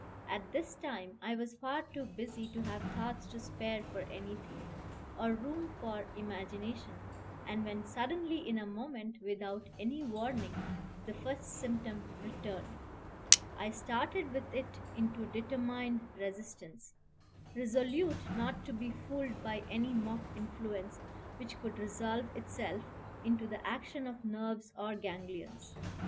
At this time I was far too busy to have thoughts to spare for anything, or room for imagination; and when suddenly in a moment, without any warning, the first symptom returned, I started with it into determined resistance, resolute not to be fooled by any mock influence which could resolve itself into the action of nerves or ganglions.